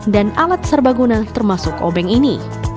dan alat serbaguna termasuk obeng ini